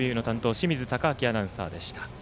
清水敬亮アナウンサーでした。